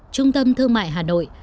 trung tâm thương mại hà nội